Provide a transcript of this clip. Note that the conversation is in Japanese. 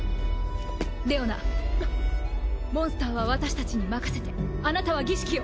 レオナモンスターは私たちに任せてあなたは儀式を。